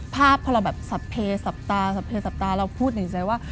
ภาพพอเราแบบสับเพสับตาสับเยสับตาเราพูดในใจว่า